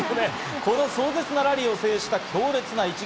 この壮絶なラリーを制した強烈な一撃。